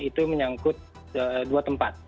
itu menyangkut dua tempat